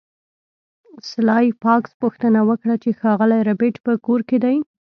سلای فاکس پوښتنه وکړه چې ښاغلی ربیټ په کور کې دی